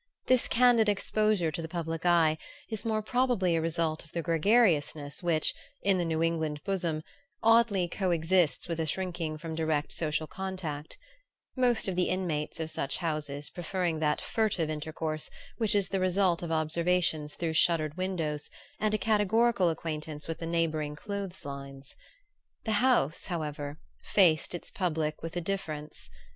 This candid exposure to the public eye is more probably a result of the gregariousness which, in the New England bosom, oddly coexists with a shrinking from direct social contact; most of the inmates of such houses preferring that furtive intercourse which is the result of observations through shuttered windows and a categorical acquaintance with the neighboring clothes lines. The House, however, faced its public with a difference.